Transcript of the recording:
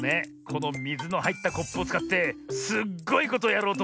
このみずのはいったコップをつかってすっごいことをやろうとおもってねえ。